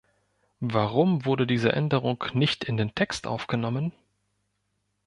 Warum wurde diese Änderung nicht in den Text aufgenommen?